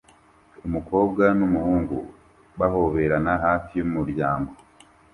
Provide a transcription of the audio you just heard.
Umukobwa n'umuhungu bahoberana hafi y'umuryango